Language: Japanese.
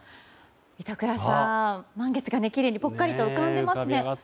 板倉さん、満月がきれいにぽっかりと浮かんでいますね。